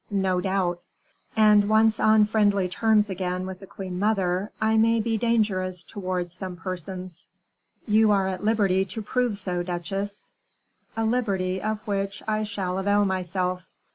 "No doubt." "And once on friendly terms again with the queen mother, I may be dangerous towards some persons." "You are at liberty to prove so, duchesse." "A liberty of which I shall avail myself."